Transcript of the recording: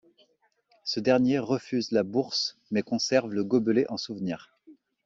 Ce dernier refuse la bourse mais conserve le gobelet en souvenir.